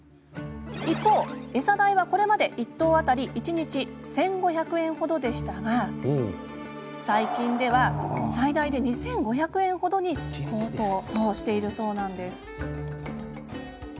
一方、えさ代はこれまで１頭当たり一日１５００円程でしたが最近では、最大で２５００円程に高騰しているそうです。